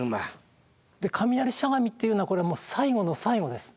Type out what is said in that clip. で「雷しゃがみ」っていうのはこれはもう最後の最後です。